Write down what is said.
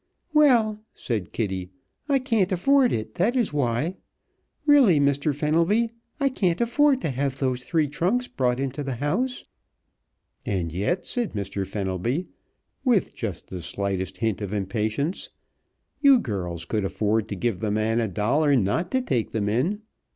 "Well," said Kitty, "I can't afford it, that is why. Really, Mr. Fenelby, I can't afford to have those three trunks brought into the house." "And yet," said Mr. Fenelby, with just the slightest hint of impatience, "you girls could afford to give the man a dollar not to take them in!